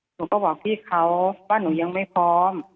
หนูก็บอกพี่เขาว่าหนูยังไม่พร้อม